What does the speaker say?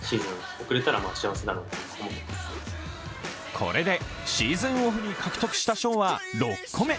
これでシーズンオフに獲得した賞は６個目。